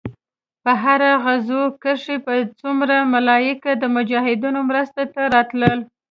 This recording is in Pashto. په هره غزوه کښې به څومره ملايک د مجاهدينو مرستې ته راتلل.